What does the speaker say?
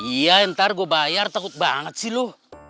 iya ntar gue bayar takut banget sih lo